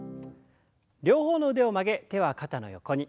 両方の腕を曲げ手は肩の横に。